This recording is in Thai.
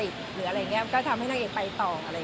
ก็จะทำให้นางเอกไปต่อ